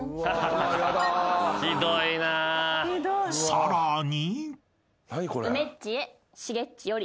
［さらに］